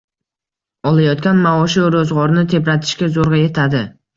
Olayotgan maoshi roʻzgʻorni tebratishga zoʻrgʻa yetadi.